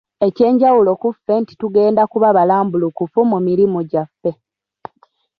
Ekyenjawulo kuffe nti tugenda kuba balambulukufu mu mirimu gyaffe.